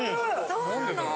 ・そうなの？